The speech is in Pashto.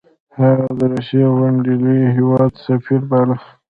هغه د روسیې غوندې لوی هیواد سفیر باله.